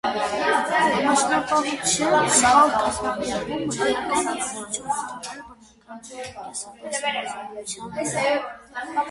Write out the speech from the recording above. Անասնապահության սխալ կազմակերպումը էական ազդեցություն է թողել բնական կենսաբազմազանության վրա։